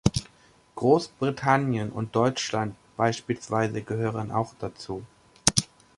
Großbritannien und Deutschland beispielsweise gehören auch dazu.